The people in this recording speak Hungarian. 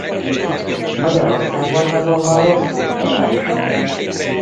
Magyarországon azonban rosszul telel.